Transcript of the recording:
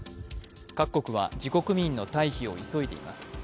各国は自国民の退避を急いでいます。